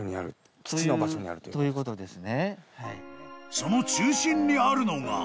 ［その中心にあるのが］